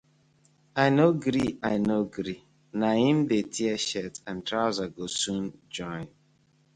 I no gree, I no gree, na im dey tear shirt and trouser go soon join.